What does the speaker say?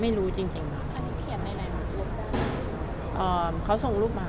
ไม่รู้จริงเขาส่งรูปมา